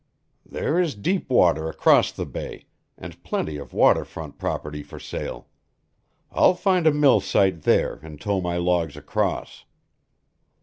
"There is deep water across the bay and plenty of water front property for sale. I'll find a mill site there and tow my logs across."